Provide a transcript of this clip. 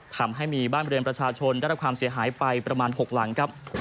ทำให้มีบ้านบริเวณประชาชนได้รับความเสียหายไปประมาณ๖หลังครับ